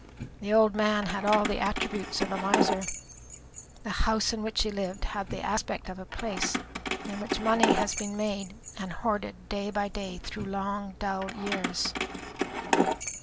The old man had all the attributes of a miser. The house in which he lived had the aspect of a place in which money has been made and hoarded day by day through long dull years.